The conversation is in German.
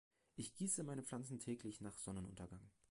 Ich gieße meine Pflanzen täglich nach Sonnenuntergang.